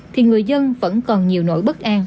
thì người dân vẫn còn nhiều nỗi bất an